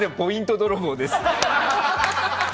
泥棒です。